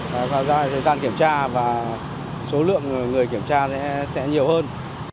và kéo dài thời gian kiểm tra và số lượng người kiểm tra sẽ nhiều hơn